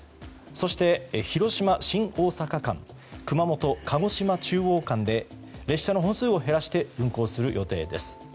そして、広島新大阪間熊本鹿児島中央間で列車の本数を減らして運行する予定です。